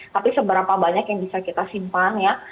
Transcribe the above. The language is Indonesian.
tapi seberapa banyak yang bisa kita simpan ya